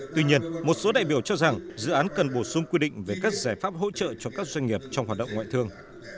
tuy nhiên một số đại biểu cho rằng dự án cần bổ sung quy định về các giải pháp hỗ trợ cho các doanh nghiệp trong hoạt động ngoại thương